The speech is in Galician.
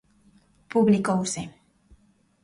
Publicouse.